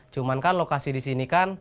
cuman kan lokasi disini kan